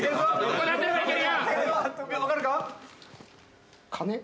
・分かるか？